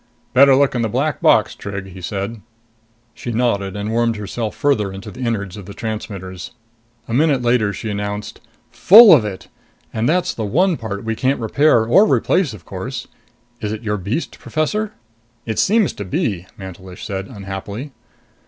"Better look in the black box, Trig," he said. She nodded and wormed herself farther into the innards of the transmitters. A minute later she announced, "Full of it! And that's the one part we can't repair or replace, of course. Is it your beast, Professor?" "It seems to be," Mantelish said unhappily.